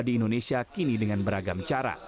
di indonesia kini dengan beragam cara